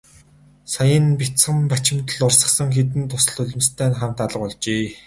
Саяын нь бяцхан бачимдал урсгасан хэдэн дусал нулимстай нь хамт алга болжээ.